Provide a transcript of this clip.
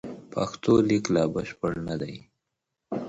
پښتو لیک لا بشپړ نه دی.